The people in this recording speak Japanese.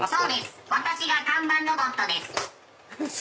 私が看板ロボットです。